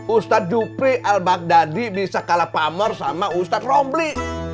ustadz dupri al baghdadi bisa kalah pamar sama ustadz rombli